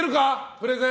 プレゼン。